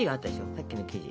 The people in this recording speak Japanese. さっきの生地。